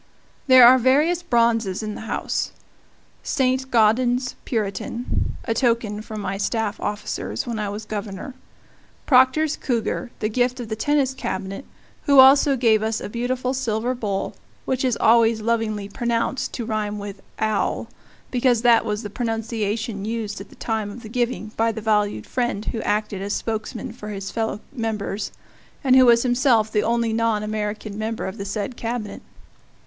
There are various bronzes in the house: Saint Gaudens's "Puritan," a token from my staff officers when I was Governor; Proctor's cougar, the gift of the Tennis Cabinet who also gave us a beautiful silver bowl, which is always lovingly pronounced to rhyme with "owl" because that was the pronunciation used at the time of the giving by the valued friend who acted as spokesman for his fellow members, and who was himself the only non American member of the said Cabinet.